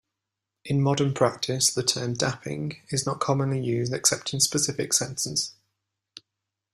In modern practice the term "dapping" is not commonly used except in specific senses.